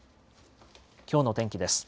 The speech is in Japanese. きょうの天気です。